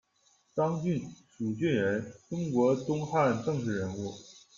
张俊，蜀郡人，中国东汉政治人物。